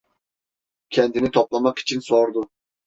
Kendini toplamak için sordu: